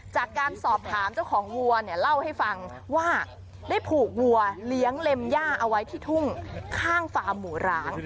จากการสอบถามเจ้าของวัวเนี่ยเล่าให้ฟังว่าได้ผูกวัวเลี้ยงเล็มย่าเอาไว้ที่ทุ่งข้างฟาร์มหมูร้าง